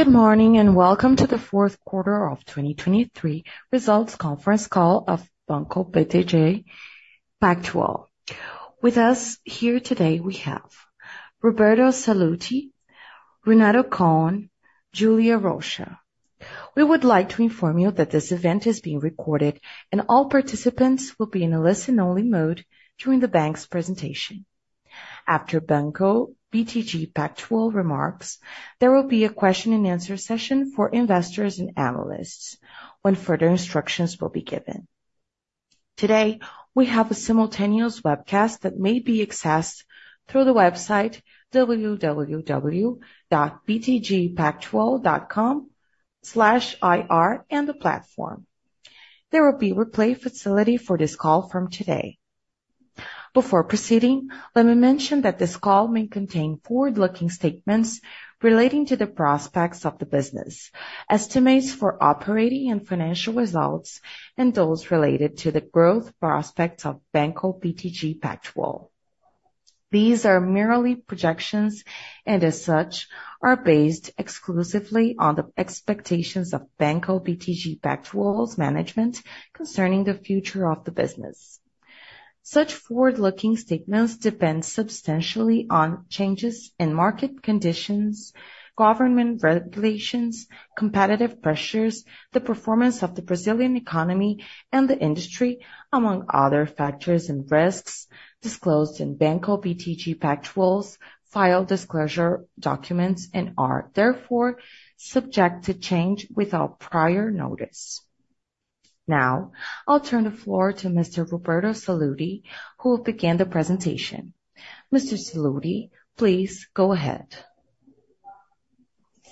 Good morning, and welcome to the fourth quarter of 2023 results conference call of Banco BTG Pactual. With us here today, we have Roberto Sallouti, Renato Cohn, Julia Rocha. We would like to inform you that this event is being recorded and all participants will be in a listen-only mode during the bank's presentation. After Banco BTG Pactual remarks, there will be a question and answer session for investors and analysts when further instructions will be given. Today, we have a simultaneous webcast that may be accessed through the website www.btgpactual.com/ir, and the platform. There will be replay facility for this call from today. Before proceeding, let me mention that this call may contain forward-looking statements relating to the prospects of the business, estimates for operating and financial results, and those related to the growth prospects of Banco BTG Pactual. These are merely projections, and as such, are based exclusively on the expectations of Banco BTG Pactual's management concerning the future of the business. Such forward-looking statements depend substantially on changes in market conditions, government regulations, competitive pressures, the performance of the Brazilian economy and the industry, among other factors and risks disclosed in Banco BTG Pactual's file disclosure documents, and are therefore subject to change without prior notice. Now, I'll turn the floor to Mr. Roberto Sallouti, who will begin the presentation. Mr. Sallouti, please go ahead.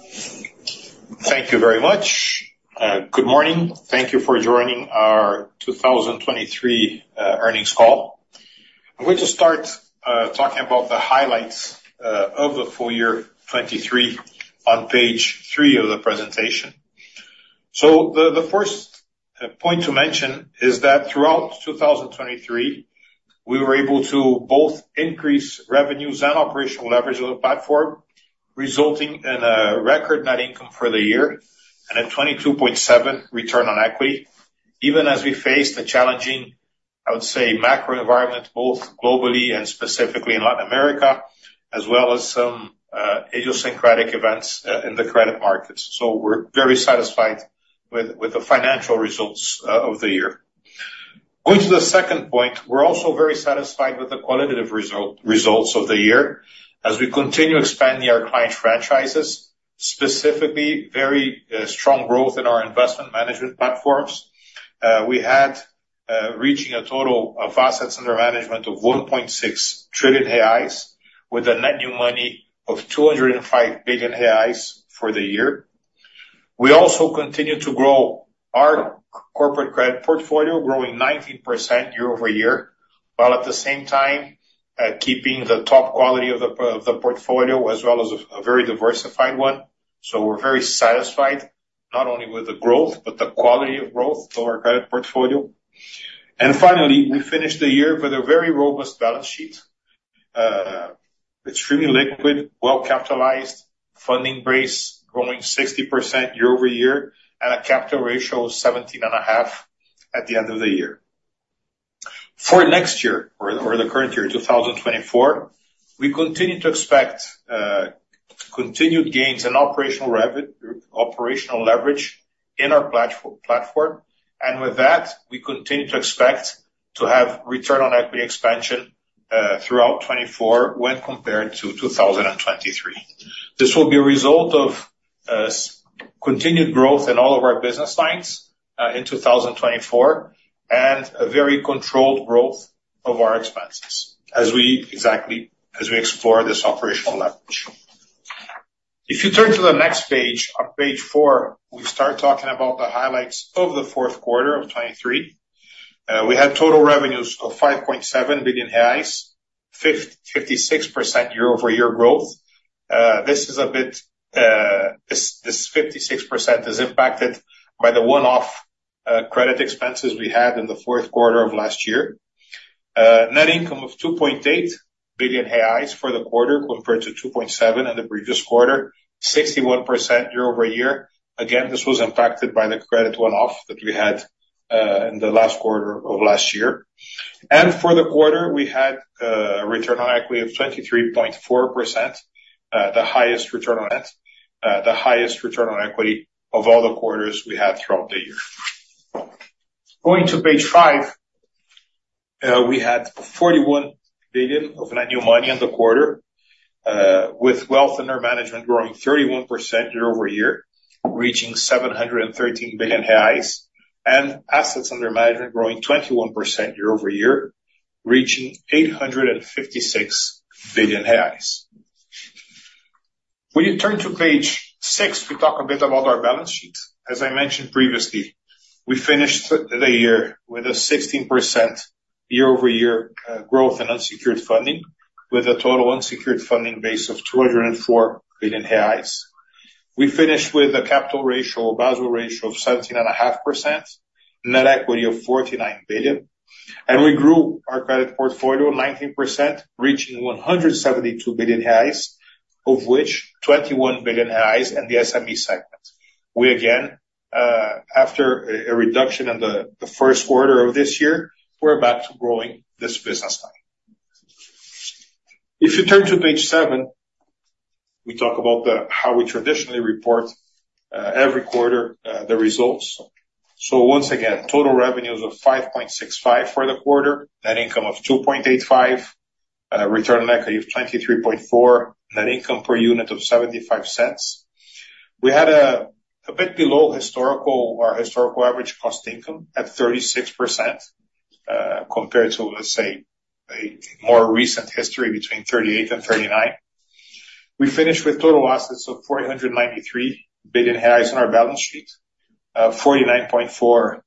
Thank you very much. Good morning. Thank you for joining our 2023 earnings call. I'm going to start talking about the highlights of the full year 2023 on page 3 of the presentation. The first point to mention is that throughout 2023, we were able to both increase revenues and operational leverage of the platform, resulting in a record net income for the year and a 22.7 return on equity, even as we face the challenging, I would say, macro environment, both globally and specifically in Latin America, as well as some idiosyncratic events in the credit markets. We're very satisfied with the financial results of the year. Going to the second point, we're also very satisfied with the qualitative result, results of the year as we continue expanding our client franchises, specifically very strong growth in our investment management platforms. We had reaching a total of assets under management of 1.6 trillion reais, with a net new money of 205 billion reais for the year. We also continued to grow our corporate credit portfolio, growing 19% year-over-year, while at the same time keeping the top quality of the, of the portfolio as well as a, a very diversified one. So we're very satisfied not only with the growth, but the quality of growth of our credit portfolio. And finally, we finished the year with a very robust balance sheet. It's extremely liquid, well-capitalized, funding base growing 60% year-over-year, and a capital ratio of 17.5 at the end of the year. For next year or, or the current year, 2024, we continue to expect, continued gains in operational leverage in our platform, and with that, we continue to expect to have return on equity expansion, throughout 2024 when compared to 2023. This will be a result of, continued growth in all of our business lines, in 2024, and a very controlled growth of our expenses as we exactly as we explore this operational leverage. If you turn to the next page, on page 4, we start talking about the highlights of the fourth quarter of 2023. We had total revenues of 5.7 billion reais, 56% year-over-year growth. This is a bit, this, this 56% is impacted by the one-off, credit expenses we had in the fourth quarter of last year. Net income of 2.8 billion reais for the quarter, compared to 2.7 billion in the previous quarter, 61% year-over-year. Again, this was impacted by the credit one-off that we had, in the last quarter of last year. And for the quarter, we had, a return on equity of 23.4%, the highest return on it, the highest return on equity of all the quarters we had throughout the year. Going to page five, we had 41 billion of net new money in the quarter, with wealth under management growing 31% year-over-year, reaching 713 billion, and assets under management growing 21% year-over-year, reaching 856 billion reais. When you turn to page six, we talk a bit about our balance sheet. As I mentioned previously, we finished the year with a 16% year-over-year growth in unsecured funding, with a total unsecured funding base of 204 billion reais. We finished with a capital ratio, Basel ratio of 17.5%, net equity of 49 billion, and we grew our credit portfolio 19%, reaching 172 billion, of which 21 billion in the SME segment. We again, after a reduction in the first quarter of this year, we're back to growing this business line. If you turn to page seven, we talk about the, how we traditionally report every quarter the results. So once again, total revenues of 5.65 for the quarter, net income of 2.85, return on equity of 23.4%, net income per unit of 0.75. We had a bit below historical or historical average cost income at 36%, compared to, let's say, a more recent history between 38% and 39%. We finished with total assets of 493 billion reais on our balance sheet, 49.4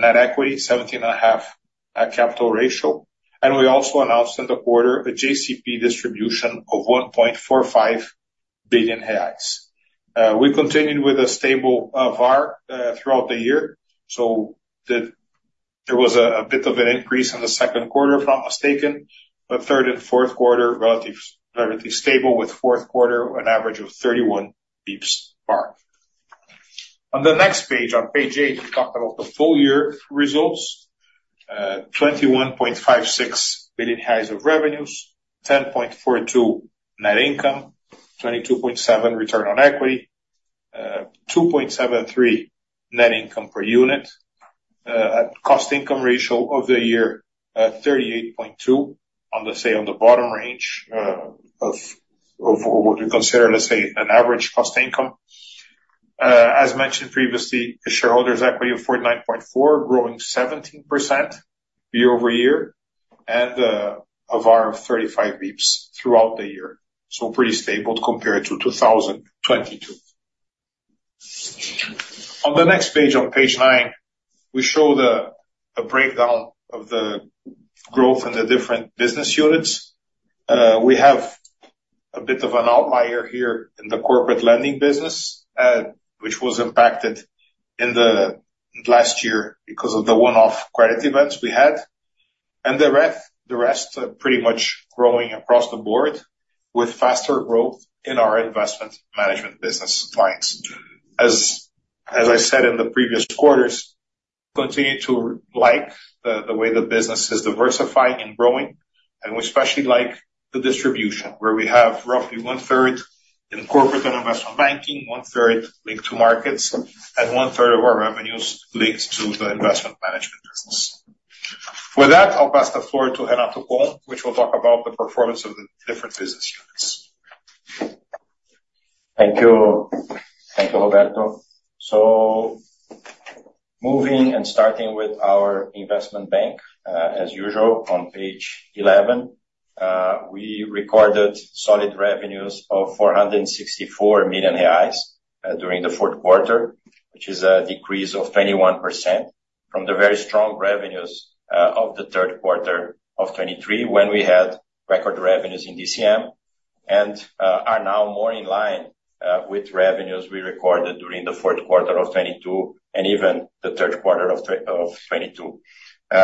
net equity, 17.5 capital ratio. We also announced in the quarter a JCP distribution of 1.45 billion reais. We continued with a stable VAR throughout the year, so there was a bit of an increase in the second quarter, if I'm not mistaken, but third and fourth quarter relatively stable, with fourth quarter an average of 31 basis points VAR. On the next page, on page 8, we talk about the full year results. 21.56 billion of revenues, 10.42 billion net income, 22.7% return on equity, 2.73 net income per unit. A cost income ratio of the year 38.2%, on the, say, bottom range of what we consider, let's say, an average cost income. As mentioned previously, the shareholders' equity of 49.4, growing 17% year-over-year, and a VaR of 35 basis points throughout the year. So pretty stable compared to 2022. On the next page, on page 9, we show a breakdown of the growth in the different business units. We have a bit of an outlier here in the corporate lending business, which was impacted in the last year because of the one-off credit events we had. And the rest are pretty much growing across the board, with faster growth in our investment management business clients. As I said in the previous quarters, we continue to like the way the business is diversifying and growing, and we especially like the distribution, where we have roughly one-third in corporate and investment banking, one-third linked to markets, and one-third of our revenues linked to the investment management business. With that, I'll pass the floor to Renato Cohn, which will talk about the performance of the different business units. Thank you. Thank you, Roberto. So moving and starting with our investment bank, as usual, on page 11, we recorded solid revenues of 464 million reais during the fourth quarter, which is a decrease of 21% from the very strong revenues of the third quarter of 2023, when we had record revenues in DCM. And, are now more in line with revenues we recorded during the fourth quarter of 2022 and even the third quarter of 2022.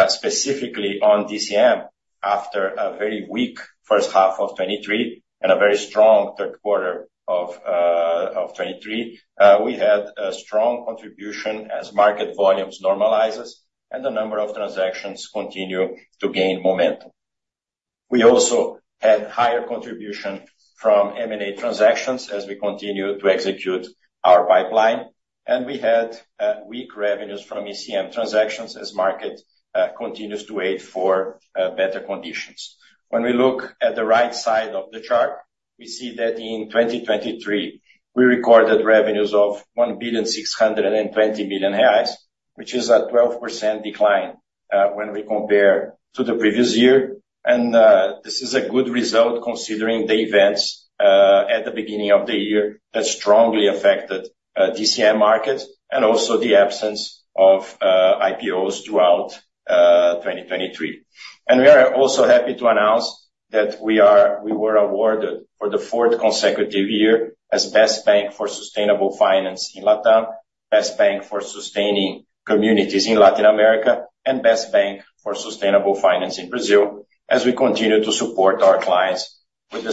Specifically on DCM, after a very weak first half of 2023 and a very strong third quarter of 2023, we had a strong contribution as market volumes normalizes and the number of transactions continue to gain momentum. We also had higher contribution from M&A transactions as we continued to execute our pipeline, and we had weak revenues from ECM transactions as market continues to wait for better conditions. When we look at the right side of the chart, we see that in 2023, we recorded revenues of 1.62 billion reais, which is a 12% decline when we compare to the previous year. And this is a good result, considering the events at the beginning of the year that strongly affected DCM markets and also the absence of IPOs throughout 2023. We are also happy to announce that we were awarded for the fourth consecutive year as Best Bank for Sustainable Finance in Latin, Best Bank for Sustaining Communities in Latin America, and Best Bank for Sustainable Finance in Brazil, as we continue to support our clients with their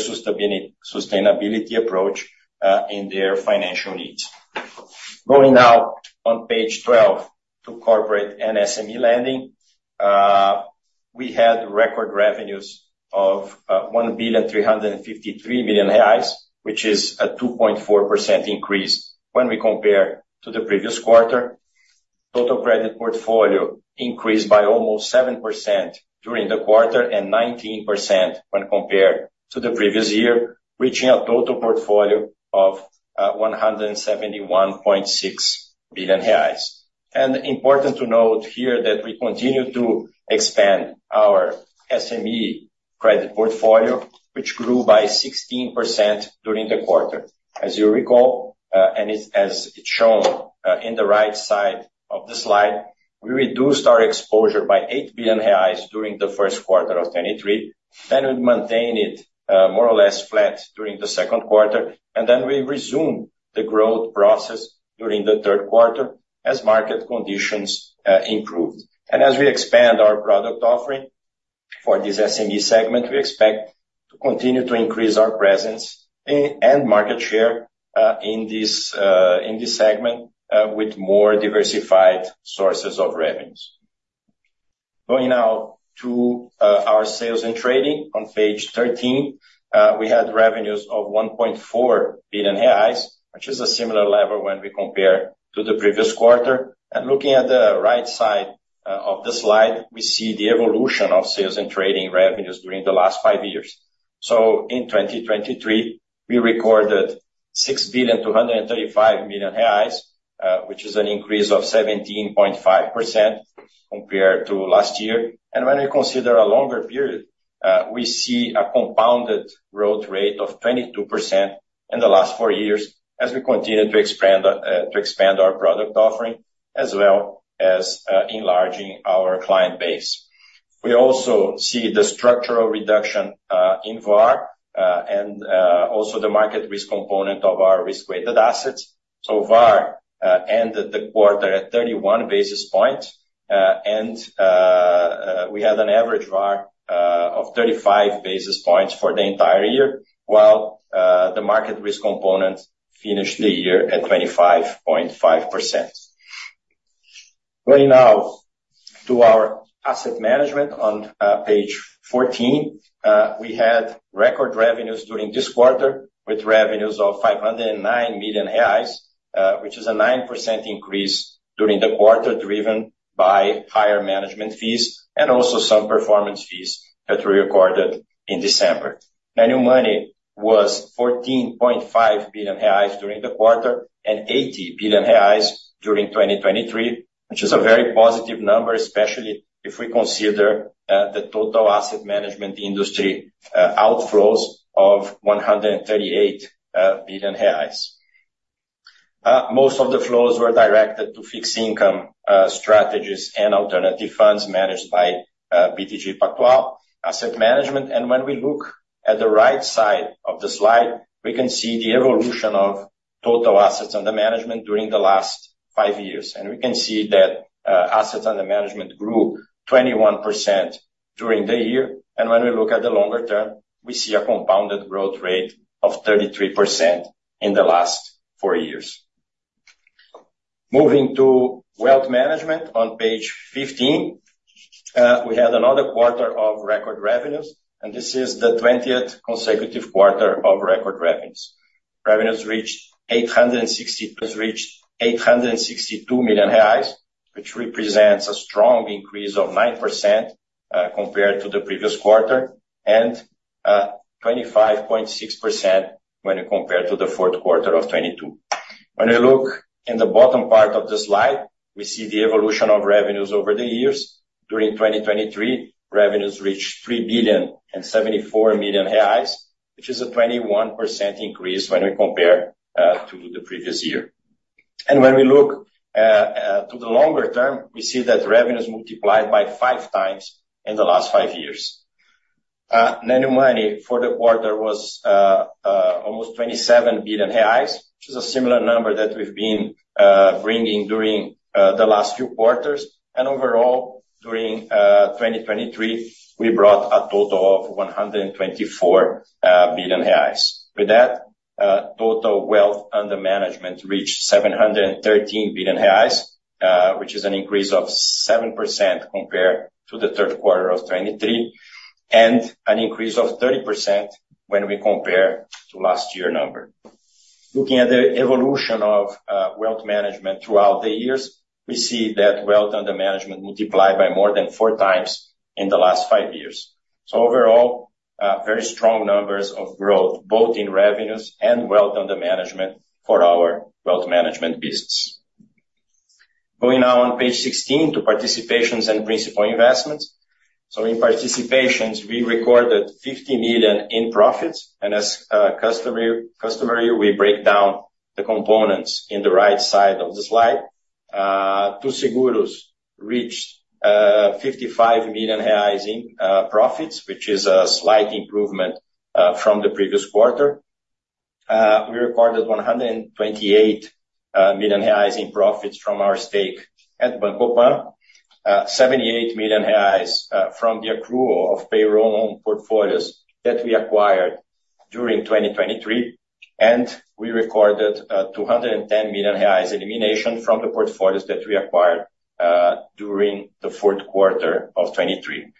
sustainability approach in their financial needs. Going now on page 12, to corporate and SME lending, we had record revenues of 1.353 billion reais, which is a 2.4% increase when we compare to the previous quarter. Total credit portfolio increased by almost 7% during the quarter, and 19% when compared to the previous year, reaching a total portfolio of 171.6 billion reais.... And important to note here that we continue to expand our SME credit portfolio, which grew by 16% during the quarter. As you recall, and it's, as it's shown, in the right side of the slide, we reduced our exposure by 8 billion reais during the first quarter of 2023, then we maintain it, more or less flat during the second quarter, and then we resume the growth process during the third quarter as market conditions improved. And as we expand our product offering for this SME segment, we expect to continue to increase our presence, and market share, in this, in this segment, with more diversified sources of revenues. Going now to our sales and trading on page 13. We had revenues of 1.4 billion reais, which is a similar level when we compare to the previous quarter. Looking at the right side of the slide, we see the evolution of Sales and Trading revenues during the last five years. In 2023, we recorded 6.235 billion, which is an increase of 17.5% compared to last year. When we consider a longer period, we see a compounded growth rate of 22% in the last four years as we continue to expand to expand our product offering, as well as enlarging our client base. We also see the structural reduction in VaR and also the market risk component of our risk-weighted assets. VaR ended the quarter at 31 basis points, and we had an average VaR of 35 basis points for the entire year, while the market risk component finished the year at 25.5%. Going now to our asset management on page 14. We had record revenues during this quarter, with revenues of 509 million reais, which is a 9% increase during the quarter, driven by higher management fees and also some performance fees that we recorded in December. New money was 14.5 billion reais during the quarter and 80 billion reais during 2023, which is a very positive number, especially if we consider the total asset management industry outflows of 138 billion reais. Most of the flows were directed to fixed income, strategies and alternative funds managed by BTG Pactual Asset Management. When we look at the right side of the slide, we can see the evolution of total assets under management during the last five years. We can see that assets under management grew 21% during the year. When we look at the longer term, we see a compounded growth rate of 33% in the last four years. Moving to wealth management on page 15. We had another quarter of record revenues, and this is the 20th consecutive quarter of record revenues. Revenues reached 862 million reais, which represents a strong increase of 9%, compared to the previous quarter, and 25.6% when compared to the fourth quarter of 2022. When we look in the bottom part of the slide, we see the evolution of revenues over the years. During 2023, revenues reached 3.074 billion, which is a 21% increase when we compare to the previous year. When we look to the longer term, we see that revenues multiplied by 5 times in the last 5 years. Net new money for the quarter was almost 27 billion reais, which is a similar number that we've been bringing during the last few quarters. Overall, during 2023, we brought a total of 124 billion reais. With that, total wealth under management reached 713 billion reais, which is an increase of 7% compared to the third quarter of 2023, and an increase of 30% when we compare to last year number. Looking at the evolution of wealth management throughout the years, we see that wealth under management multiplied by more than 4 times in the last 5 years. So overall, very strong numbers of growth, both in revenues and wealth under management for our wealth management business. Going now on page 16 to participations and principal investments. So in participations, we recorded 50 million in profits, and as customary, we break down the components in the right side of the slide. Too Seguros reached 55 million reais in profits, which is a slight improvement from the previous quarter. We recorded 128 million reais in profits from our stake at Banco Pan, 78 million reais from the accrual of payroll loan portfolios that we acquired during 2023. We recorded 210 million reais elimination from the portfolios that we acquired during the fourth quarter of 2023.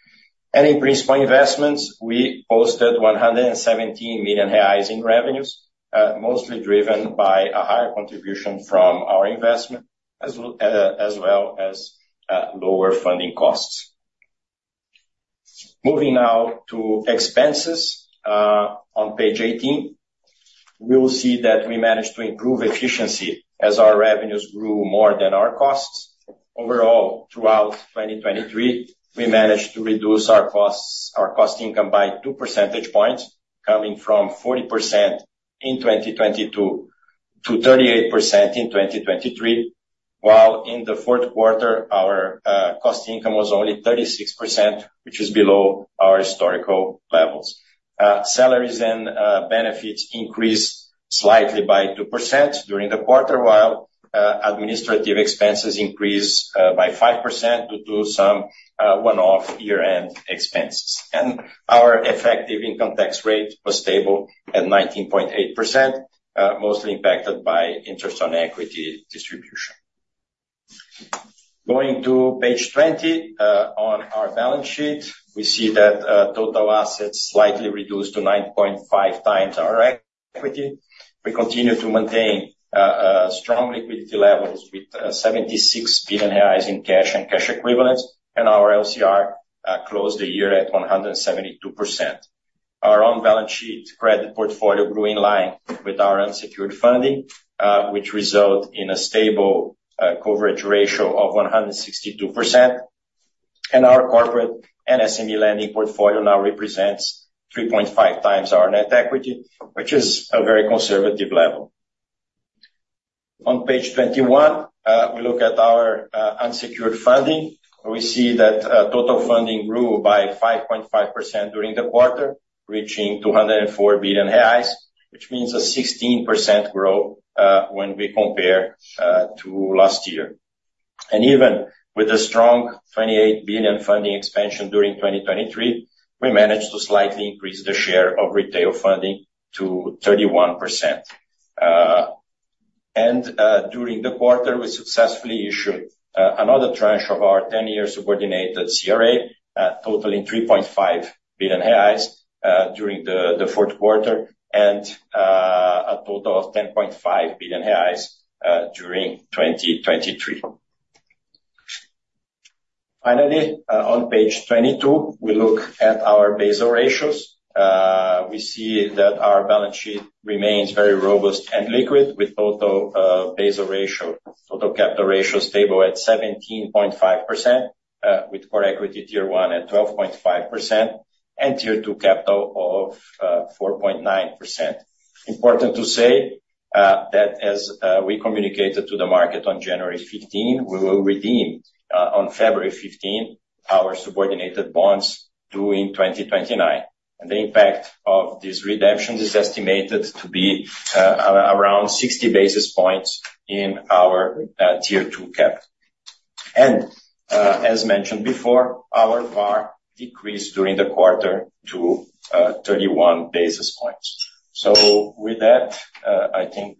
In principal investments, we posted 117 million reais in revenues, mostly driven by a higher contribution from our investment, as well as lower funding costs. Moving now to expenses, on page 18, we will see that we managed to improve efficiency as our revenues grew more than our costs. Overall, throughout 2023, we managed to reduce our costs, our cost income by 2 percentage points, coming from 40% in 2022 to 38% in 2023, while in the fourth quarter, our cost income was only 36%, which is below our historical levels. Salaries and benefits increased slightly by 2% during the quarter, while administrative expenses increased by 5% due to some one-off year-end expenses. Our effective income tax rate was stable at 19.8%, mostly impacted by interest on equity distribution. Going to page 20, on our balance sheet, we see that total assets slightly reduced to 9.5 times our equity. We continue to maintain strong liquidity levels with 76 billion reais in cash and cash equivalents, and our LCR closed the year at 172%. Our own balance sheet credit portfolio grew in line with our unsecured funding, which result in a stable coverage ratio of 162%. And our corporate and SME lending portfolio now represents 3.5 times our net equity, which is a very conservative level. On page 21, we look at our unsecured funding. We see that total funding grew by 5.5% during the quarter, reaching 204 billion reais, which means a 16% growth when we compare to last year. And even with a strong 28 billion funding expansion during 2023, we managed to slightly increase the share of retail funding to 31%. During the quarter, we successfully issued another tranche of our ten-year subordinated CRA totaling 3.5 billion reais during the fourth quarter, and a total of 10.5 billion reais during 2023. Finally, on page 22, we look at our Basel ratios. We see that our balance sheet remains very robust and liquid, with total Basel ratio, total capital ratio stable at 17.5%, with core equity Tier 1 at 12.5% and Tier 2 capital of 4.9%. Important to say that as we communicated to the market on January 15, we will redeem on February 15, our subordinated bonds due in 2029. The impact of this redemption is estimated to be around 60 basis points in our Tier 2 capital. As mentioned before, our VaR decreased during the quarter to 31 basis points. With that, I think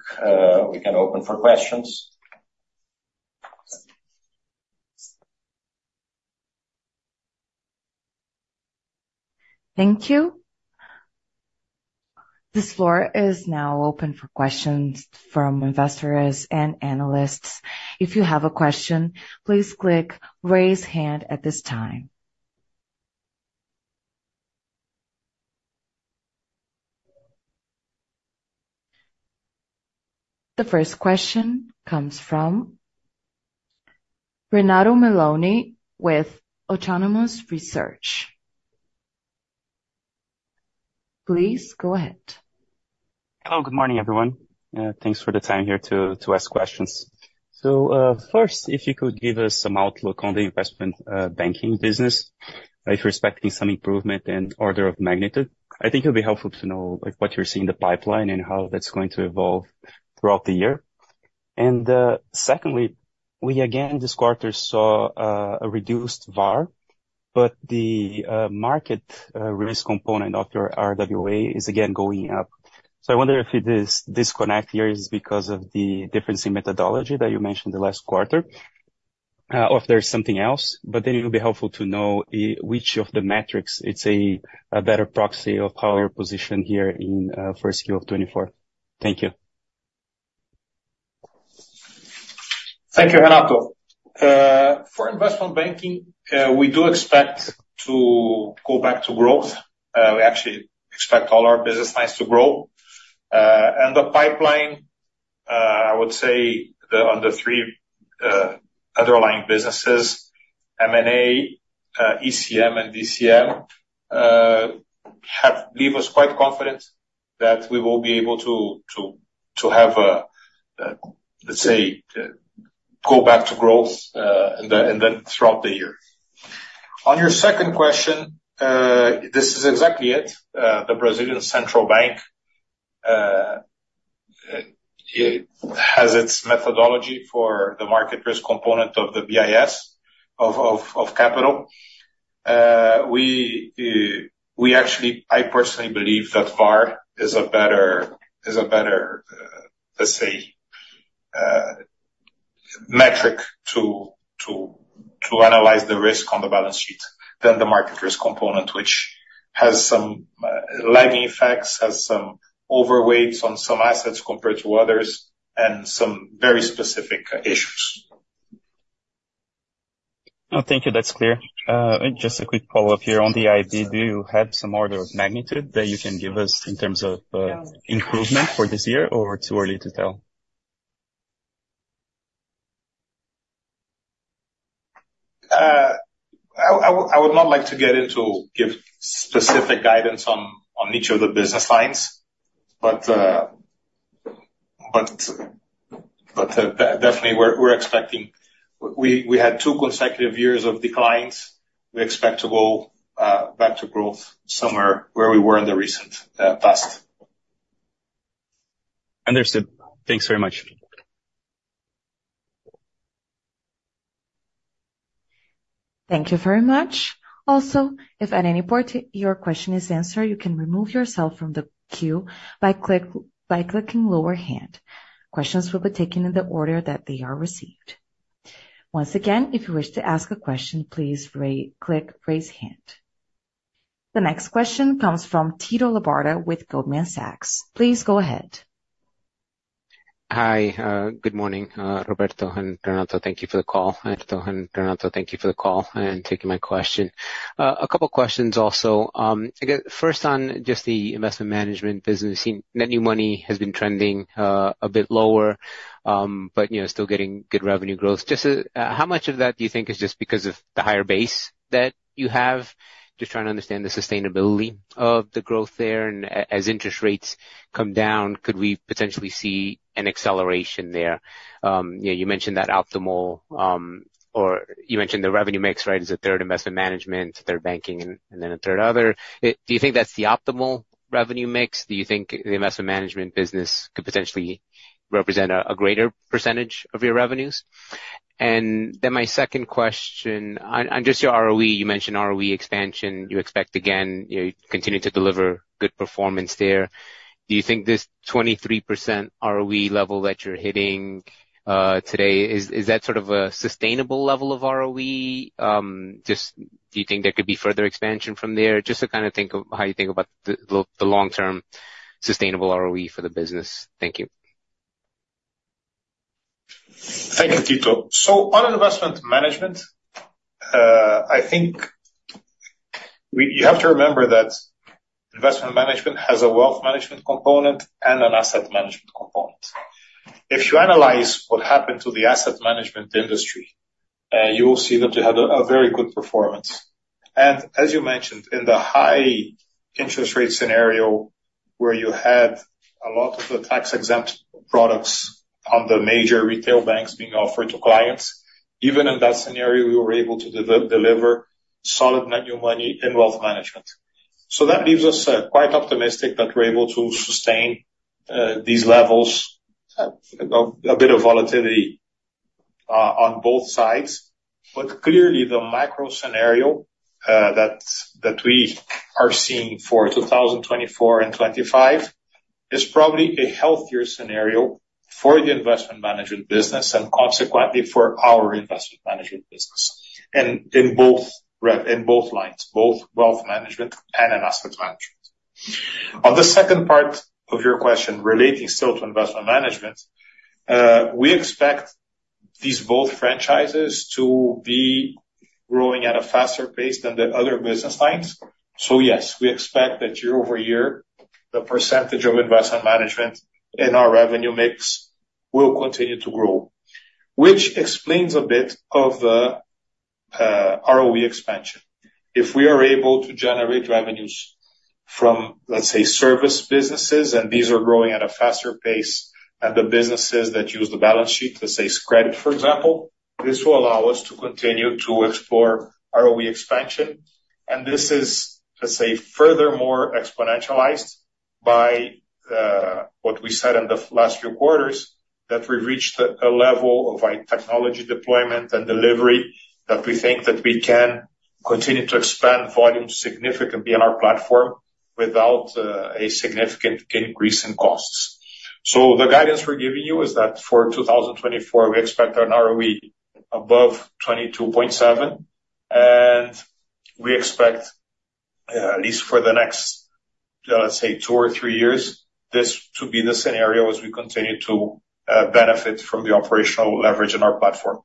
we can open for questions. Thank you. This floor is now open for questions from investors and analysts. If you have a question, please click Raise Hand at this time. The first question comes from Renato Meloni with Autonomous Research. Please go ahead. Hello, good morning, everyone. Thanks for the time here to ask questions. So, first, if you could give us some outlook on the investment banking business, if you're expecting some improvement in order of magnitude. I think it'll be helpful to know, like, what you're seeing in the pipeline and how that's going to evolve throughout the year. And, secondly, we again, this quarter, saw a reduced VaR, but the market risk component of your RWA is again going up. So I wonder if this disconnect here is because of the difference in methodology that you mentioned the last quarter, or if there's something else, but then it will be helpful to know which of the metrics is a better proxy of how your position here in first Q of 2024. Thank you. Thank you, Renato. For investment banking, we do expect to go back to growth. We actually expect all our business lines to grow. And the pipeline, I would say, then on the three underlying businesses, M&A, ECM, and DCM, leaves us quite confident that we will be able to have a, let's say, go back to growth, and then throughout the year. On your second question, this is exactly it. The Brazilian Central Bank it has its methodology for the market risk component of the BIS of capital. We actually... I personally believe that VaR is a better, let's say, metric to analyze the risk on the balance sheet than the market risk component, which has some lagging effects, has some overweights on some assets compared to others, and some very specific issues.... Oh, thank you. That's clear. Just a quick follow-up here. On the ID, do you have some order of magnitude that you can give us in terms of improvement for this year, or too early to tell? I would not like to get into giving specific guidance on each of the business lines, but definitely we're expecting, we had two consecutive years of declines. We expect to go back to growth somewhere where we were in the recent past. Understood. Thanks very much. Thank you very much. Also, if at any point your question is answered, you can remove yourself from the queue by clicking lower hand. Questions will be taken in the order that they are received. Once again, if you wish to ask a question, please click Raise Hand. The next question comes from Tito Labarta with Goldman Sachs. Please go ahead. Hi. Good morning, Roberto and Renato. Thank you for the call, Roberto and Renato, thank you for the call and taking my question. A couple questions also. Again, first on just the investment management business. Net new money has been trending a bit lower, but, you know, still getting good revenue growth. Just how much of that do you think is just because of the higher base that you have? Just trying to understand the sustainability of the growth there, and as interest rates come down, could we potentially see an acceleration there? Yeah, you mentioned that optimal, or you mentioned the revenue mix, right, is a third investment management, third banking, and then a third other. Do you think that's the optimal revenue mix? Do you think the investment management business could potentially represent a greater percentage of your revenues? And then my second question on just your ROE. You mentioned ROE expansion. You expect again, you continue to deliver good performance there. Do you think this 23% ROE level that you're hitting today is that sort of a sustainable level of ROE? Just do you think there could be further expansion from there? Just to kind of think of how you think about the long-term sustainable ROE for the business. Thank you. Thank you, Tito. So on investment management, I think we. You have to remember that investment management has a wealth management component and an asset management component. If you analyze what happened to the asset management industry, you will see that they had a very good performance. And as you mentioned, in the high interest rate scenario, where you had a lot of the tax-exempt products on the major retail banks being offered to clients, even in that scenario, we were able to deliver solid net new money in wealth management. So that leaves us quite optimistic that we're able to sustain these levels. A bit of volatility on both sides, but clearly the micro scenario that we are seeing for 2024 and 2025 is probably a healthier scenario for the Investment Management business and consequently for our Investment Management business, and in both lines, both Wealth Management and in Asset Management. On the second part of your question, relating still to Investment Management, we expect these both franchises to be growing at a faster pace than the other business lines. So yes, we expect that year-over-year, the percentage of Investment Management in our revenue mix will continue to grow, which explains a bit of the ROE expansion. If we are able to generate revenues from, let's say, service businesses, and these are growing at a faster pace than the businesses that use the balance sheet, let's say, credit, for example, this will allow us to continue to explore ROE expansion, and this is, let's say, furthermore, exponentialized by what we said in the last few quarters, that we reached a level of IT technology deployment and delivery, that we think that we can continue to expand volumes significantly on our platform without a significant increase in costs. So the guidance we're giving you is that for 2024, we expect an ROE above 22.7, and we expect, at least for the next, let's say, two or three years, this to be the scenario as we continue to benefit from the operational leverage on our platform.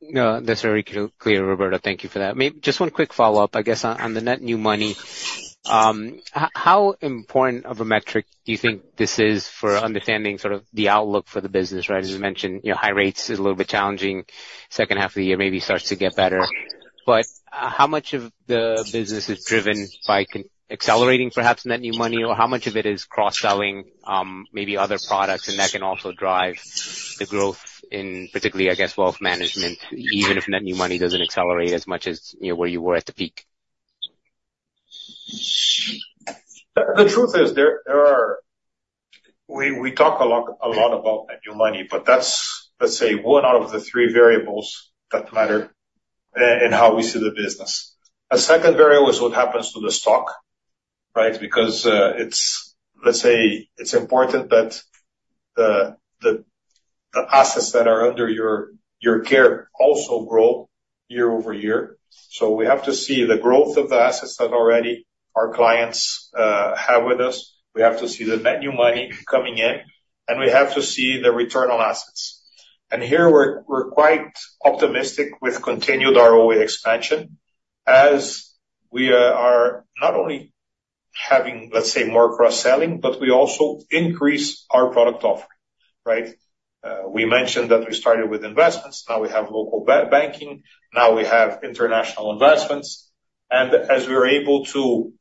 No, that's very clear, clear, Roberto. Thank you for that. Just one quick follow-up, I guess, on the net new money. How important of a metric do you think this is for understanding sort of the outlook for the business, right? As you mentioned, you know, high rates is a little bit challenging. Second half of the year maybe starts to get better. But, how much of the business is driven by accelerating perhaps net new money, or how much of it is cross-selling, maybe other products, and that can also drive the growth in particularly, I guess, wealth management, even if net new money doesn't accelerate as much as, you know, where you were at the peak? The truth is, there are... We talk a lot about net new money, but that's, let's say, one out of the three variables that matter in how we see the business. A second variable is what happens to the stock, right? Because it's, let's say, important that the assets that are under your care also grow year-over-year. So we have to see the growth of the assets that already our clients have with us. We have to see the net new money coming in, and we have to see the return on assets. And here we're quite optimistic with continued ROE expansion, as we are not only having, let's say, more cross-selling, but we also increase our product offering, right? We mentioned that we started with investments, now we have local banking, now we have international investments. As we are able to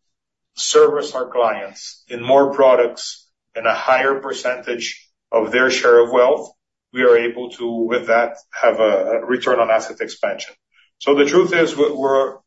service our clients in more products in a higher percentage of their share of wealth, we are able to, with that, have a return on asset expansion. So the truth is, we're, we're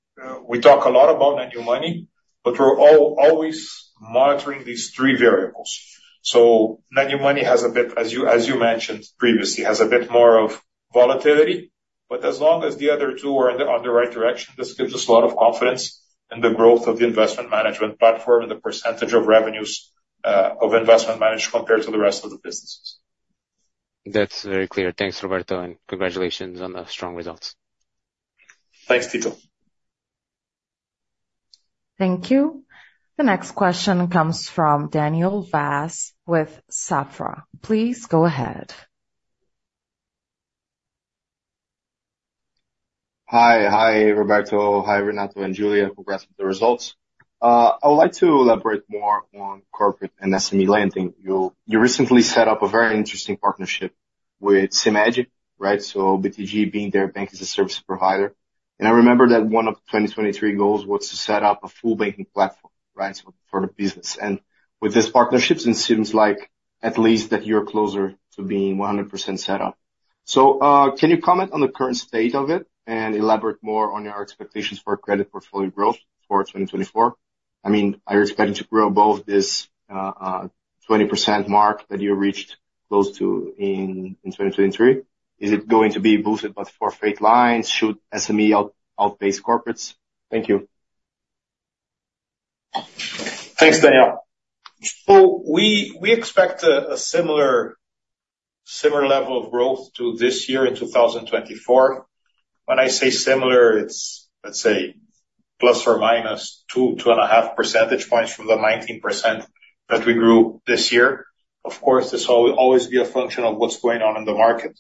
we talk a lot about net new money, but we're always monitoring these three variables. So net new money has a bit, as you, as you mentioned previously, has a bit more of volatility, but as long as the other two are in the, on the right direction, this gives us a lot of confidence in the growth of the investment management platform and the percentage of revenues, uh, of investment management compared to the rest of the businesses. That's very clear. Thanks, Roberto, and congratulations on the strong results. Thanks, Tito. Thank you. The next question comes from Daniel Vaz with Safra. Please go ahead. Hi. Hi, Roberto. Hi, Renato and Julia. Congrats with the results. I would like to elaborate more on corporate and SME lending. You recently set up a very interesting partnership with Sienge, right? So BTG being their bank as a service provider. And I remember that one of the 2023 goals was to set up a full banking platform, right? So for the business. And with this partnerships, it seems like at least that you're closer to being 100% set up. So, can you comment on the current state of it and elaborate more on your expectations for credit portfolio growth for 2024? I mean, are you expecting to grow above this 20% mark that you reached close to in 2023? Is it going to be boosted but for freight lines? Should SME outpace corporates? Thank you. Thanks, Daniel. We expect a similar level of growth to this year in 2024. When I say similar, it's, let's say, ±2-2.5 percentage points from the 19% that we grew this year. Of course, this will always be a function of what's going on in the market.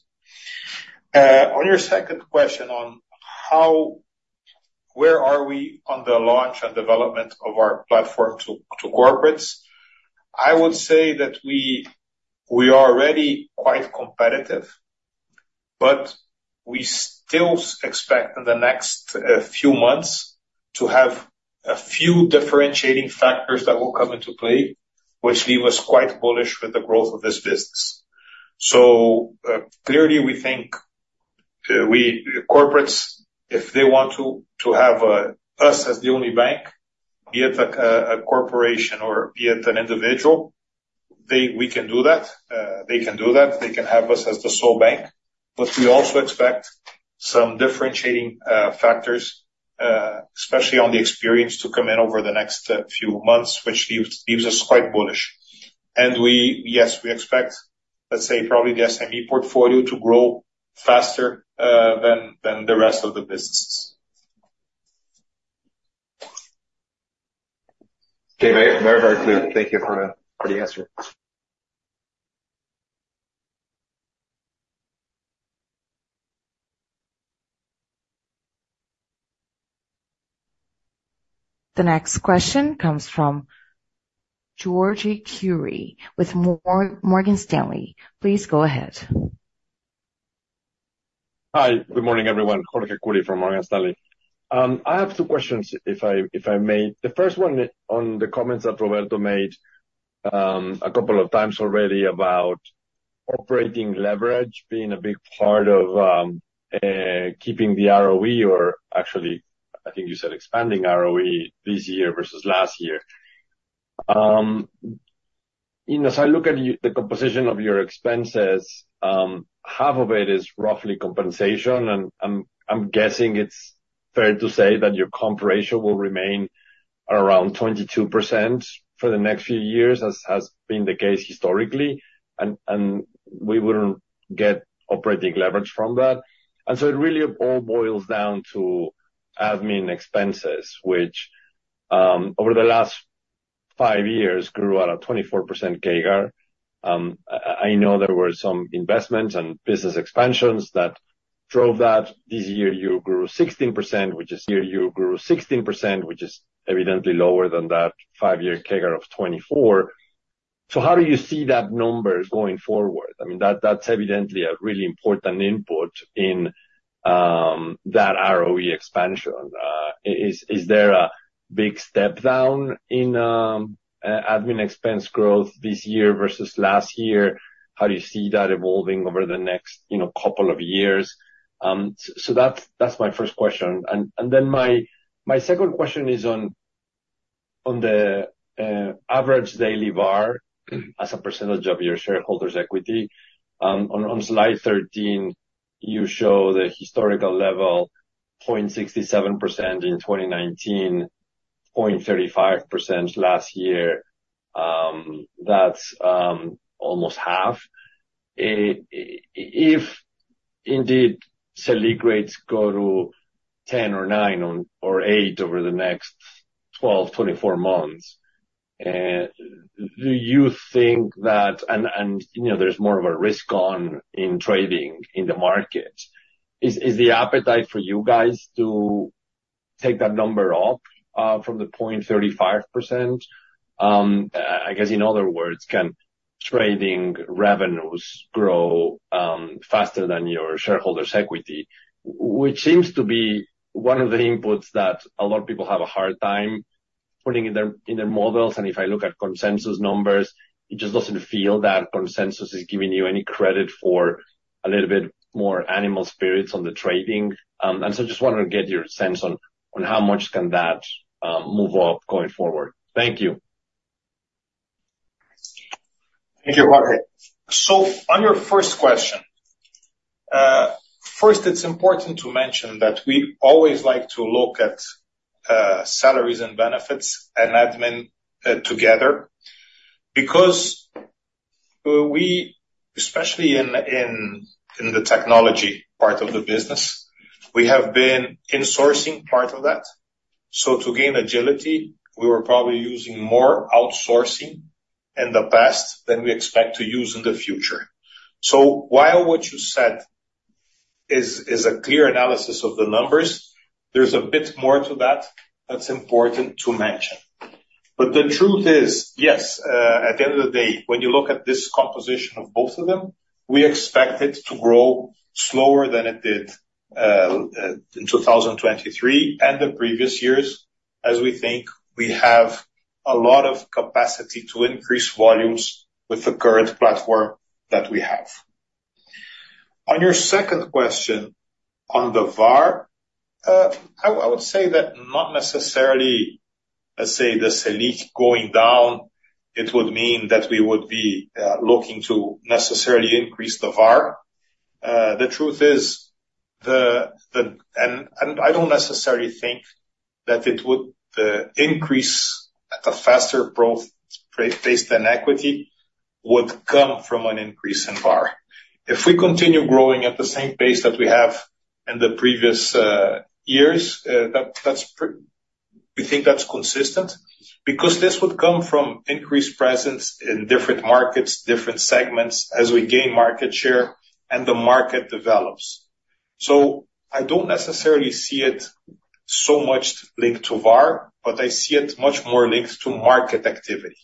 On your second question on how, where are we on the launch and development of our platform to corporates? I would say that we are already quite competitive, but we still expect in the next few months to have a few differentiating factors that will come into play, which leave us quite bullish with the growth of this business. So, clearly, we think, we... Corporates, if they want to have us as the only bank, be it a corporation or be it an individual, we can do that. They can do that. They can have us as the sole bank. But we also expect some differentiating factors, especially on the experience to come in over the next few months, which leaves us quite bullish. And we—yes, we expect, let's say, probably the SME portfolio to grow faster than the rest of the businesses. Okay. Very, very, very clear. Thank you for the answer. The next question comes from Jorge Kuri with Morgan Stanley. Please go ahead. Hi, good morning, everyone. Jorge Kuri from Morgan Stanley. I have two questions, if I may. The first one on the comments that Roberto made, a couple of times already about operating leverage being a big part of keeping the ROE, or actually, I think you said, expanding ROE this year versus last year. You know, as I look at the composition of your expenses, half of it is roughly compensation, and I'm guessing it's fair to say that your comp ratio will remain around 22% for the next few years, as has been the case historically, and we wouldn't get operating leverage from that. So it really all boils down to admin expenses, which over the last five years, grew at a 24% CAGR. I know there were some investments and business expansions that drove that. This year, you grew 16%, which is year you grew 16%, which is evidently lower than that five-year CAGR of 24. So how do you see that number going forward? I mean, that's evidently a really important input in that ROE expansion. Is there a big step down in admin expense growth this year versus last year? How do you see that evolving over the next, you know, couple of years? So that's my first question. And then my second question is on the average daily VaR as a percentage of your shareholders' equity. On slide 13, you show the historical level, 0.67% in 2019... 0.35% last year, that's almost half. If indeed Selic rates go to 10 or 9 or 8 over the next 12, 24 months, do you think that-- and you know, there's more of a risk on in trading in the market. Is the appetite for you guys to take that number up from the 35%? I guess, in other words, can trading revenues grow faster than your shareholders' equity? Which seems to be one of the inputs that a lot of people have a hard time putting in their models, and if I look at consensus numbers, it just doesn't feel that consensus is giving you any credit for a little bit more animal spirits on the trading. And so I just wanted to get your sense on how much can that move up going forward? Thank you. Thank you, Jorge. So on your first question, first, it's important to mention that we always like to look at salaries and benefits and admin together. Because we, especially in the technology part of the business, we have been insourcing part of that. So to gain agility, we were probably using more outsourcing in the past than we expect to use in the future. So while what you said is a clear analysis of the numbers, there's a bit more to that that's important to mention. But the truth is, yes, at the end of the day, when you look at this composition of both of them, we expect it to grow slower than it did in 2023 and the previous years, as we think we have a lot of capacity to increase volumes with the current platform that we have. On your second question, on the VaR, I would say that not necessarily, let's say, the Selic going down, it would mean that we would be looking to necessarily increase the VaR. The truth is, and I don't necessarily think that it would increase at a faster growth pace than equity, would come from an increase in VaR. If we continue growing at the same pace that we have in the previous years, that, that's we think that's consistent, because this would come from increased presence in different markets, different segments, as we gain market share and the market develops. So I don't necessarily see it so much linked to VaR, but I see it much more linked to market activity.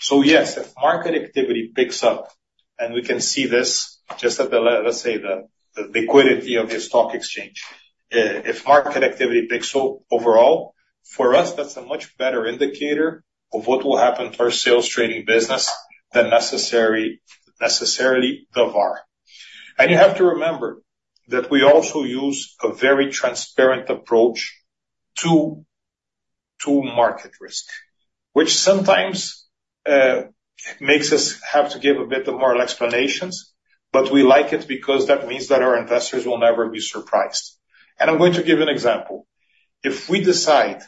So yes, if market activity picks up, and we can see this just at the let's say, the liquidity of the stock exchange. If market activity picks up overall, for us, that's a much better indicator of what will happen to our sales trading business than necessary, necessarily, the VaR. And you have to remember that we also use a very transparent approach to market risk, which sometimes makes us have to give a bit more explanations, but we like it because that means that our investors will never be surprised. And I'm going to give an example. If we decide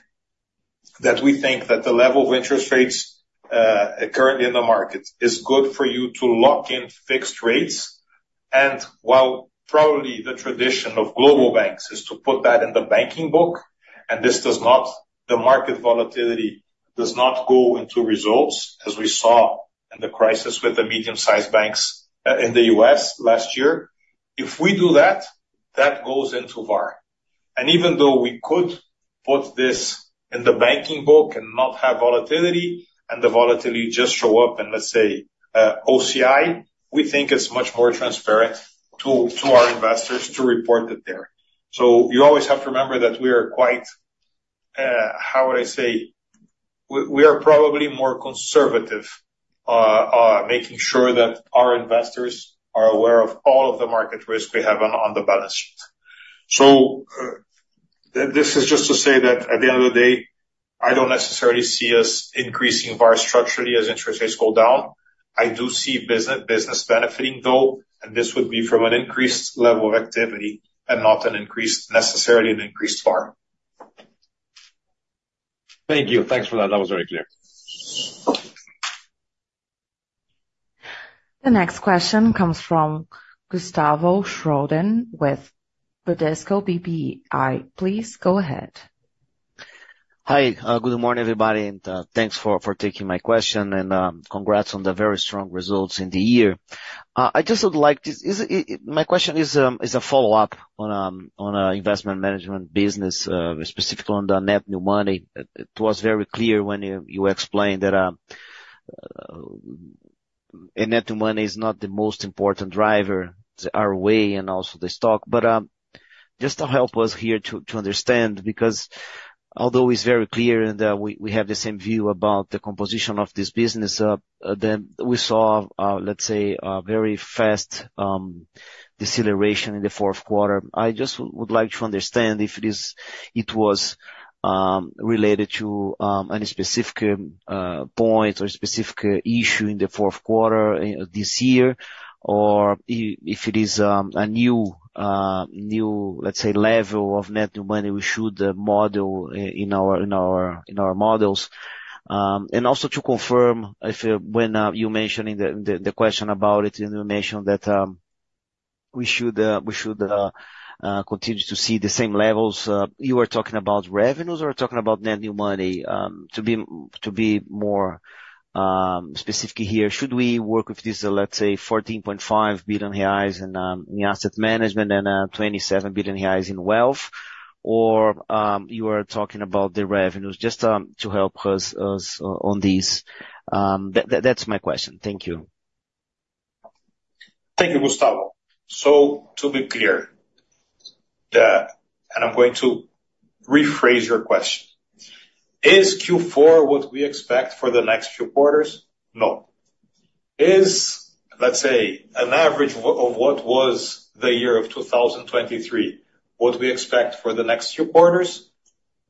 that we think that the level of interest rates currently in the market is good for you to lock in fixed rates, and while probably the tradition of global banks is to put that in the banking book, and this does not, the market volatility does not go into results, as we saw in the crisis with the medium-sized banks in the U.S. last year. If we do that, that goes into VaR. And even though we could put this in the banking book and not have volatility, and the volatility just show up in, let's say, OCI, we think it's much more transparent to our investors to report it there. So you always have to remember that we are quite, how would I say? We are probably more conservative making sure that our investors are aware of all of the market risk we have on the balance sheet. So this is just to say that at the end of the day, I don't necessarily see us increasing VaR structurally as interest rates go down. I do see business benefiting, though, and this would be from an increased level of activity and not necessarily an increased VaR. Thank you. Thanks for that. That was very clear. The next question comes from Gustavo Schroden with Bradesco BBI. Please go ahead. Hi, good morning, everybody, and thanks for taking my question, and congrats on the very strong results in the year. I just would like to... My question is a follow-up on the investment management business, specifically on the net new money. It was very clear when you explained that a net new money is not the most important driver to our way and also the stock. But, just to help us here to understand, because although it's very clear and we have the same view about the composition of this business, then we saw, let's say, a very fast deceleration in the fourth quarter. I just would like to understand if it is, it was, related to any specific point or specific issue in the fourth quarter this year, or if it is a new new, let's say, level of net new money we should model in our models? And also to confirm, if when you mentioning the question about it, you mentioned that we should continue to see the same levels. You are talking about revenues or talking about net new money? To be more specific here, should we work with this, let's say 14.5 billion reais in asset management and twenty-seven billion reais in wealth? Or you are talking about the revenues. Just to help us on these. That's my question. Thank you. Thank you, Gustavo. So to be clear, the and I'm going to rephrase your question. Is Q4 what we expect for the next few quarters? No. Is, let's say, an average of, of what was the year of 2023, what we expect for the next few quarters?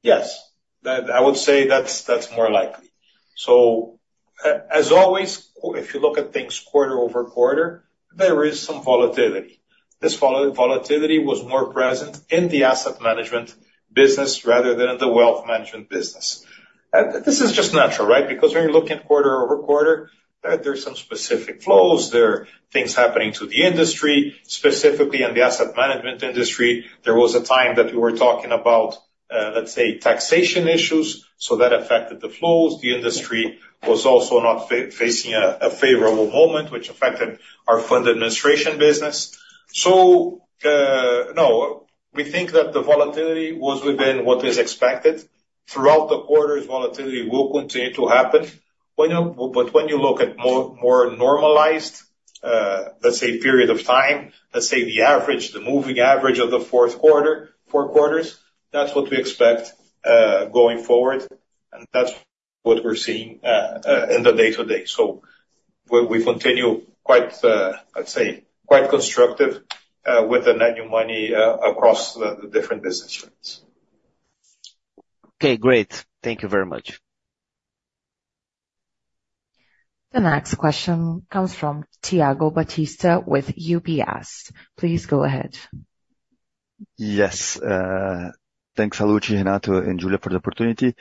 Yes, that I would say that's, that's more likely. So as always, if you look at things quarter-over-quarter, there is some volatility. This volatility was more present in the Asset Management business rather than in the Wealth Management business. And this is just natural, right? Because when you're looking quarter-over-quarter, there, there are some specific flows, there are things happening to the industry, specifically in the Asset Management industry. There was a time that we were talking about, let's say, taxation issues, so that affected the flows. The industry was also not facing a favorable moment, which affected our fund administration business. So, no, we think that the volatility was within what is expected. Throughout the quarters, volatility will continue to happen. But when you look at more normalized, let's say, period of time, let's say the average, the moving average of the fourth quarter four quarters, that's what we expect going forward, and that's what we're seeing in the day-to-day. So we continue quite, I'd say, quite constructive with the net new money across the different business units. Okay, great. Thank you very much. The next question comes from Thiago Batista with UBS. Please go ahead. Yes. Thanks, Sallouti, Renato, and Julia, for the opportunity.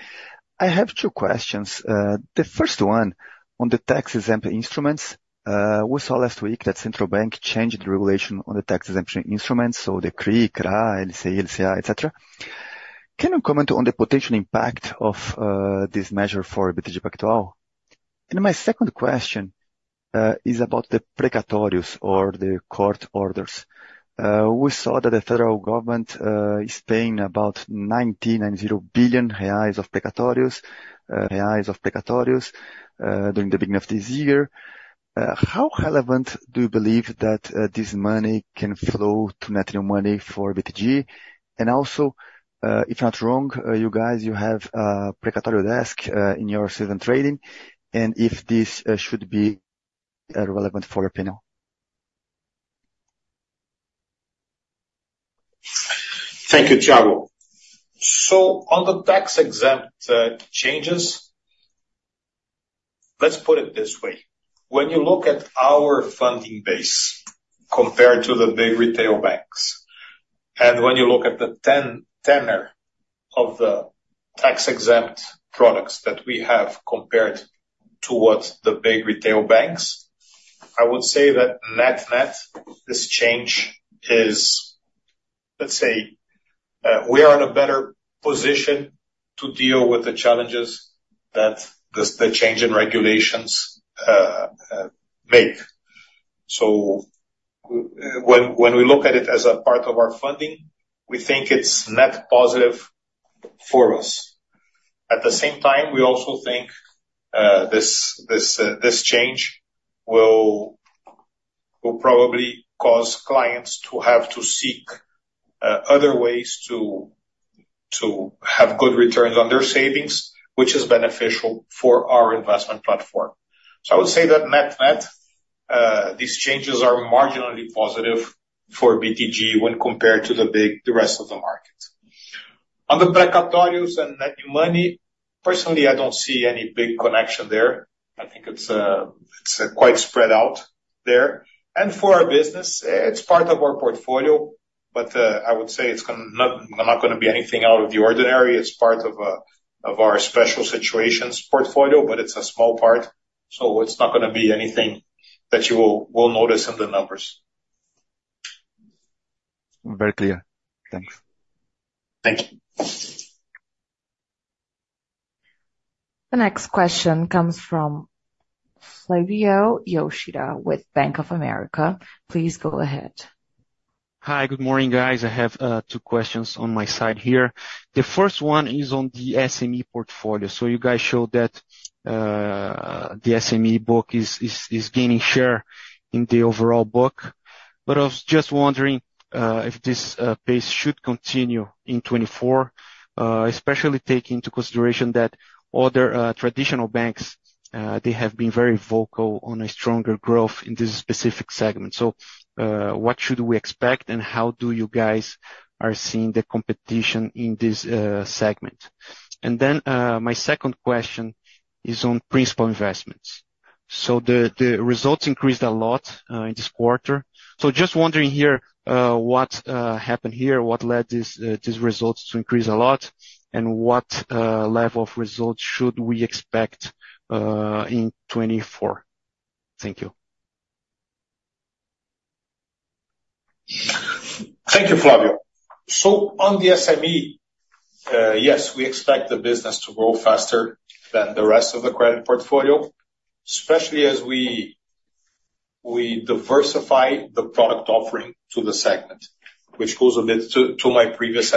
I have two questions. The first one on the tax-exempt instruments. We saw last week that central bank changed the regulation on the tax-exempt instruments, so the CRI, CRA, LCI, LCA, et cetera. Can you comment on the potential impact of this measure for BTG Pactual? And my second question is about the precatórios, or the court orders. We saw that the federal government is paying about 99 billion reais of precatórios during the beginning of this year. How relevant do you believe that this money can flow to net new money for BTG? And also, if not wrong, you guys you have precatório desk in your sales and trading, and if this should be relevant for your P&L. Thank you, Thiago. So on the tax-exempt changes, let's put it this way: when you look at our funding base compared to the big retail banks, and when you look at the tenor of the tax-exempt products that we have compared to what the big retail banks, I would say that net-net, this change is, let's say, we are in a better position to deal with the challenges that this, the change in regulations make. So when we look at it as a part of our funding, we think it's net positive for us. At the same time, we also think this change will probably cause clients to have to seek other ways to have good returns on their savings, which is beneficial for our investment platform. So I would say that net-net, these changes are marginally positive for BTG when compared to the big, the rest of the market. On the precatórios and net new money, personally, I don't see any big connection there. I think it's quite spread out there. And for our business, it's part of our portfolio, but I would say it's not gonna be anything out of the ordinary. It's part of our special situations portfolio, but it's a small part, so it's not gonna be anything that you will notice in the numbers. Very clear. Thanks. Thank you. The next question comes from Flávio Yoshida with Bank of America. Please go ahead. Hi, good morning, guys. I have two questions on my side here. The first one is on the SME portfolio. So you guys showed that the SME book is gaining share in the overall book. But I was just wondering if this pace should continue in 2024, especially taking into consideration that other traditional banks they have been very vocal on a stronger growth in this specific segment. So what should we expect, and how do you guys are seeing the competition in this segment? And then my second question is on principal investments. So the results increased a lot in this quarter. So just wondering here what happened here, what led these results to increase a lot? And what level of results should we expect in 2024? Thank you. Thank you, Flávio. So on the SME, yes, we expect the business to grow faster than the rest of the credit portfolio, especially as we diversify the product offering to the segment, which goes a bit to my previous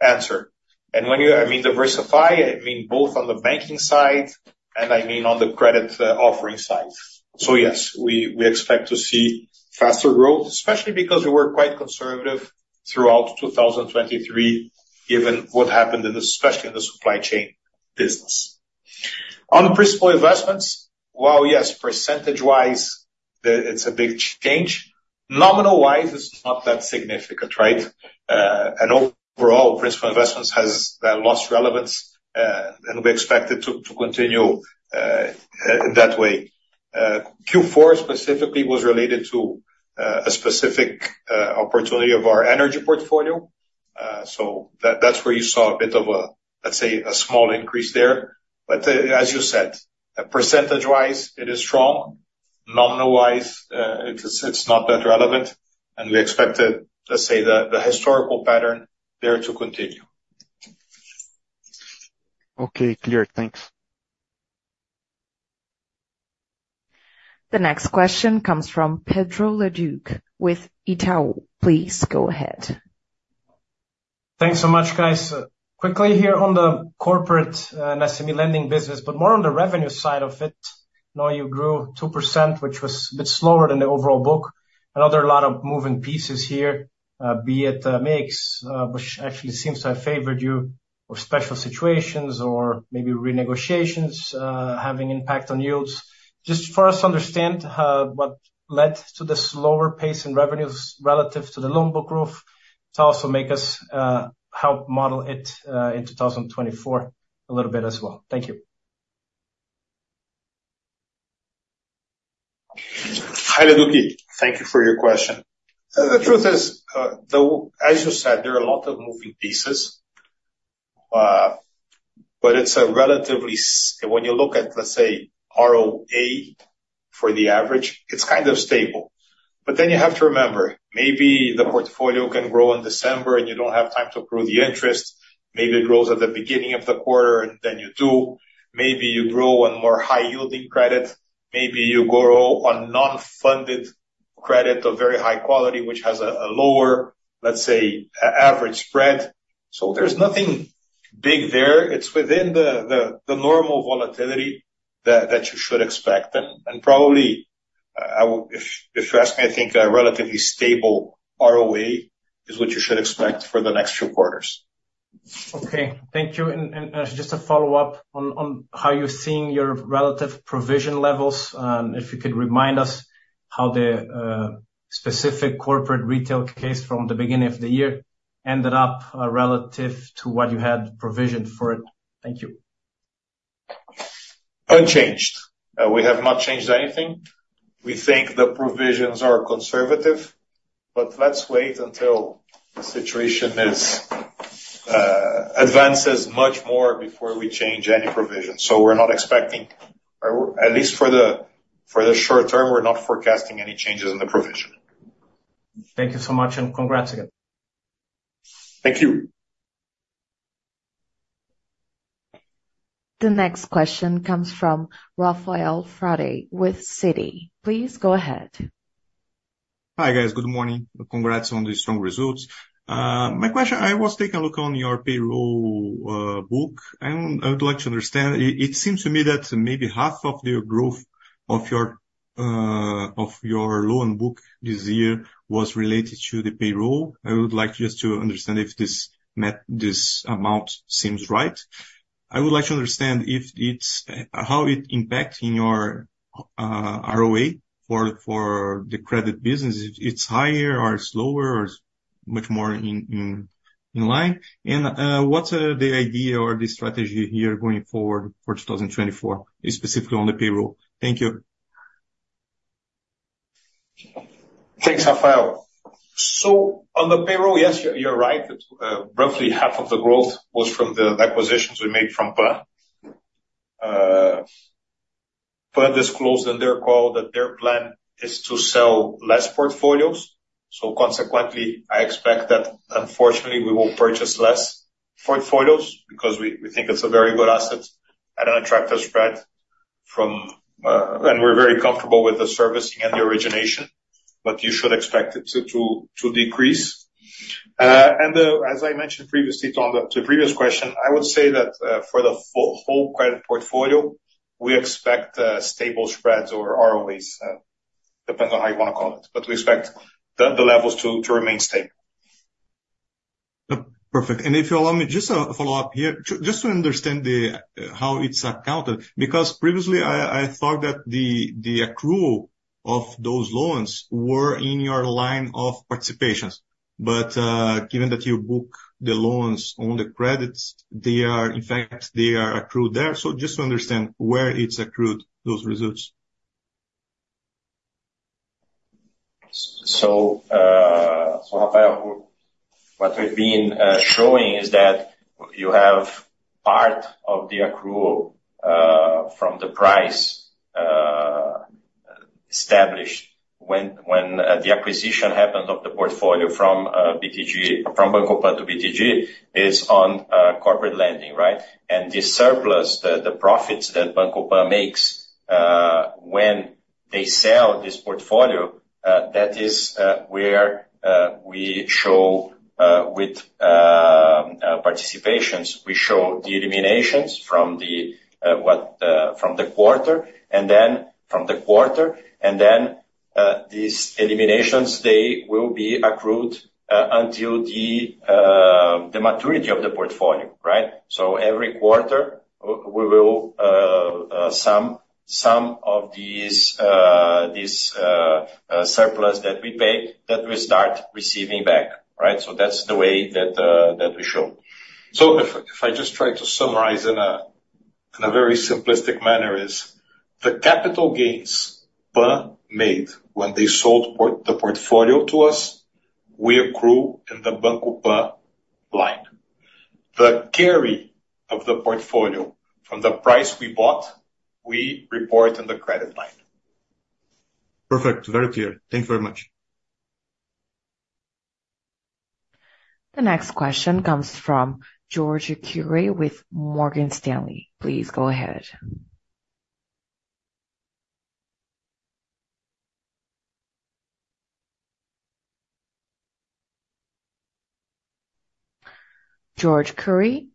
answer. And I mean, diversify, I mean, both on the banking side and I mean on the credit offering side. So yes, we expect to see faster growth, especially because we were quite conservative throughout 2023, given what happened in the, especially in the supply chain business. On principal investments, while, yes, percentage-wise, it's a big change. Nominal-wise, it's not that significant, right? And overall, principal investments has lost relevance, and we expect it to continue that way. Q4 specifically was related to a specific opportunity of our energy portfolio. So that's where you saw a bit of a, let's say, a small increase there. But, as you said, percentage-wise, it is strong. Nominal-wise, it's not that relevant, and we expect it, let's say, the historical pattern there to continue. Okay, clear. Thanks. The next question comes from Pedro Leduc, with Itaú. Please go ahead. Thanks so much, guys. Quickly here on the corporate and SME lending business, but more on the revenue side of it. I know you grew 2%, which was a bit slower than the overall book. I know there are a lot of moving pieces here, be it mix, which actually seems to have favored you, or special situations, or maybe renegotiations, having impact on yields. Just for us to understand what led to the slower pace in revenues relative to the loan book growth, to also make us help model it in 2024 a little bit as well. Thank you. Hi, Leduc. Thank you for your question. The truth is, as you said, there are a lot of moving pieces, but it's a relatively stable. When you look at, let's say, ROA for the average, it's kind of stable. But then you have to remember, maybe the portfolio can grow in December, and you don't have time to accrue the interest. Maybe it grows at the beginning of the quarter, and then you do. Maybe you grow on more high-yielding credit. Maybe you grow on non-funded credit of very high quality, which has a lower, let's say, average spread. So there's nothing big there. It's within the normal volatility that you should expect. And probably, if you ask me, I think a relatively stable ROA is what you should expect for the next few quarters. Okay. Thank you. And just to follow up on how you're seeing your relative provision levels, if you could remind us how the specific corporate retail case from the beginning of the year ended up, relative to what you had provisioned for it. Thank you. Unchanged. We have not changed anything. We think the provisions are conservative, but let's wait until the situation advances much more before we change any provisions. So we're not expecting, or at least for the, for the short term, we're not forecasting any changes in the provision. Thank you so much, and congrats again. Thank you. The next question comes from Rafael Frade with Citi. Please go ahead. Hi, guys. Good morning. Congrats on the strong results. My question, I was taking a look on your payroll book, and I would like to understand. It seems to me that maybe half of the growth of your loan book this year was related to the payroll. I would like just to understand if this met, this amount seems right. I would like to understand if it's how it impacts in your ROA for the credit business. It's higher or it's lower or it's much more in line? What's the idea or the strategy here going forward for 2024, specifically on the payroll? Thank you. Thanks, Rafael. So on the payroll, yes, you're right. Roughly half of the growth was from the acquisitions we made from Pan. Pan disclosed in their call that their Pan is to sell less portfolios. So consequently, I expect that unfortunately, we will purchase less portfolios because we think it's a very good asset at an attractive spread from... And we're very comfortable with the servicing and the origination, but you should expect it to decrease. And as I mentioned previously, on the previous question, I would say that for the whole credit portfolio, we expect stable spreads or ROAs, depends on how you want to call it, but we expect the levels to remain stable. Perfect. And if you allow me, just a follow-up here. Just to understand the how it's accounted, because previously I thought that the accrual of those loans were in your line of participations. But, given that you book the loans on the credits, they are in fact, they are accrued there. So just to understand where it's accrued, those results? So, Rafael, what we've been showing is that you have part of the accrual from the price established when the acquisition happened of the portfolio from BTG, from Banco Pan to BTG, is on corporate lending, right? And this surplus, the profits that Banco Pan makes when they sell this portfolio, that is where we show with participations. We show the eliminations from the what from the quarter, and then from the quarter, and then these eliminations, they will be accrued until the maturity of the portfolio, right? So every quarter, we will some of these surplus that we pay, that we start receiving back, right? So that's the way that we show. So if I just try to summarize in a very simplistic manner, is the capital gains Banco Pan made when they sold the portfolio to us, we accrue in the Banco Pan line. The carry of the portfolio from the price we bought, we report on the credit line. Perfect. Very clear. Thank you very much. The next question comes from Jorge Kuri with Morgan Stanley. Please go ahead. Jorge Kuri?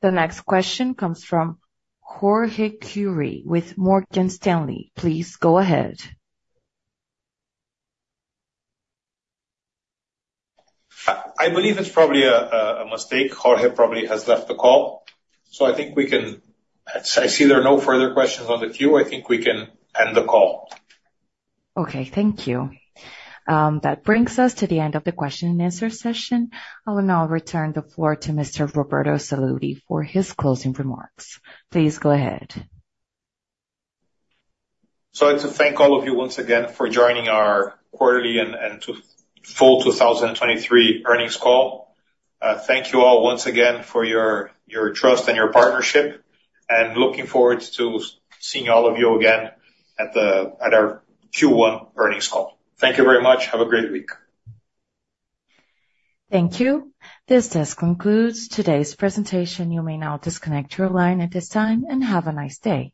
The next question comes from Jorge Kuri with Morgan Stanley. Please go ahead. I believe it's probably a mistake. Jorge probably has left the call, so I think we can... I see there are no further questions on the queue. I think we can end the call. Okay, thank you. That brings us to the end of the question and answer session. I will now return the floor to Mr. Roberto Sallouti for his closing remarks. Please go ahead. So I'd like to thank all of you once again for joining our Q4 and full 2023 earnings call. Thank you all once again for your trust and your partnership, and looking forward to seeing all of you again at our Q1 earnings call. Thank you very much. Have a great week! Thank you. This just concludes today's presentation. You may now disconnect your line at this time and have a nice day.